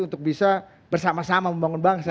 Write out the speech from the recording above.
untuk bisa bersama sama membangun bangsa